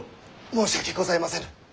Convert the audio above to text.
申し訳ございませぬ。